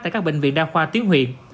tại các bệnh viện đa khoa tuyến huyện